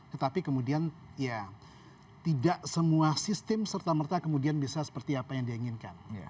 tetapi kemudian ya tidak semua sistem serta merta kemudian bisa seperti apa yang diinginkan